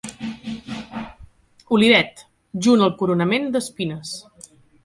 Olivet, junt al coronament d'espines.